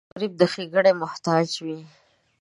غریب د ښېګڼې محتاج وي